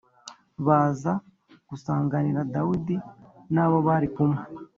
Baza gusanganira Dawidi n abo bari kumwe